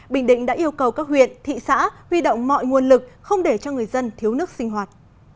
bình định đã yêu cầu các huyện thị xã huy động mọi nguồn lực không để cho người dân thiếu nước sinh hoạt